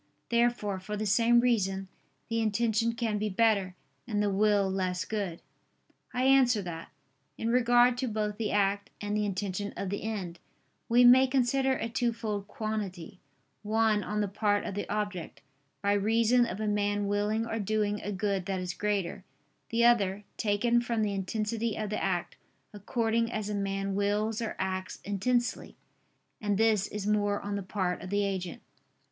Therefore, for the same reason, the intention can be better, and the will less good. I answer that, In regard to both the act, and the intention of the end, we may consider a twofold quantity: one, on the part of the object, by reason of a man willing or doing a good that is greater; the other, taken from the intensity of the act, according as a man wills or acts intensely; and this is more on the part of the agent.